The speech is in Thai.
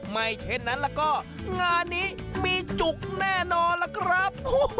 ไม่เช่นนั้นแล้วก็งานนี้มีจุกแน่นอนล่ะครับ